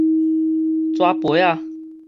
紙杯仔